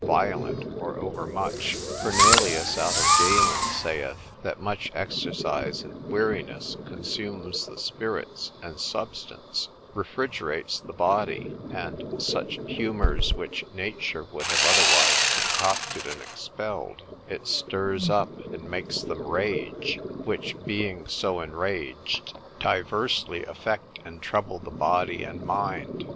violent, or overmuch. Fernelius out of Galen, Path. lib. 1. c. 16, saith, That much exercise and weariness consumes the spirits and substance, refrigerates the body; and such humours which Nature would have otherwise concocted and expelled, it stirs up and makes them rage: which being so enraged, diversely affect and trouble the body and mind.